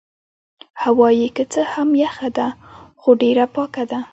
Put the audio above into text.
هوا يې که څه هم یخه ده خو ډېره پاکه ده.